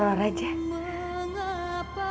mas ardi kan suka masakan aku